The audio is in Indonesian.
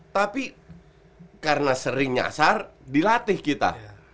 tapi karena sering nyasar dilatih kita